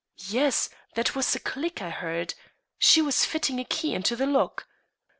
Yes, that was a click I heard. She was fitting a key into the lock.